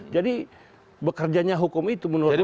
jadi bekerjanya hukum itu menurut robert